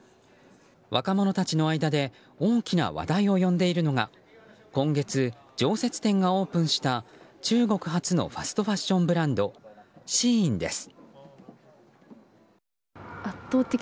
若者たちの間で大きな話題を呼んでいるのが今月、常設店がオープンした中国発のファストファッションブランドＳＨＥＩＮです。